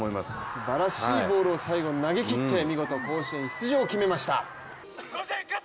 すばらしいボールを最後に投げ切って見事、甲子園出場を決めました。